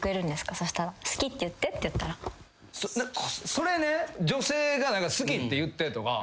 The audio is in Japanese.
それね女性が「好きって言って」とか。